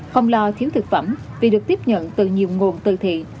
không lo thiếu thực phẩm vì được tiếp nhận từ nhiều nguồn từ thị